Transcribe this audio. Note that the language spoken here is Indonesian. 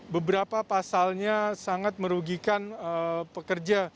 beberapa pasalnya sangat merugikan pekerja